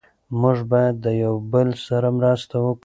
موږ باید د یو بل سره مرسته وکړو.